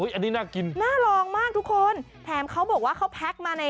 อันนี้น่ากินน่าลองมากทุกคนแถมเขาบอกว่าเขาแพ็คมาใน